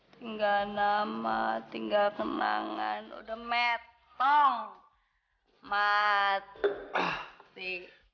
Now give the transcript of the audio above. tinggal nama tinggal penangan udah metong mati